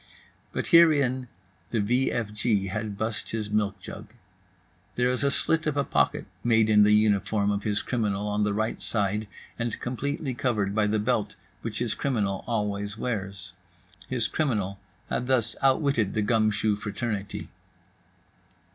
But herein the v f g had bust his milk jug. There is a slit of a pocket made in the uniform of his criminal on the right side, and completely covered by the belt which his criminal always wears. His criminal had thus outwitted the gumshoe fraternity.